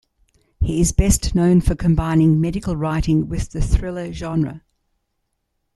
He is best known for combining medical writing with the thriller genre.